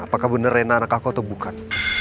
apakah benar rena anak aku atau bukan